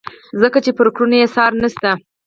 ځکه چې پر کړنو یې څار نشته.